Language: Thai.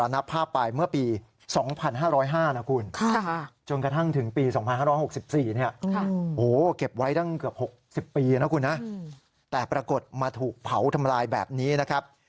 หกสิบปีนะคุณฮะแต่ปรากฏมาถูกเผาทำลายแบบนี้นะครับ